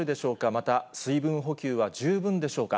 また、水分補給は十分でしょうか。